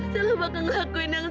selalu bakal ngelakuin yang sama